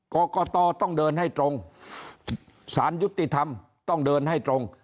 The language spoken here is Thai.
กรกตต้องเดินให้ตรงสารยุติธรรมต้องเดินให้ตรง